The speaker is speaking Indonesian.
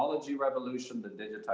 bahwa saya sangat bersemangat